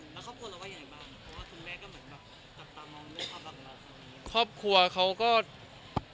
แล้วครอบครัวเราว่ายังไงบ้างเพราะว่าทุกแม่ก็เหมือนแบบกลับตามองด้วยความรักมาก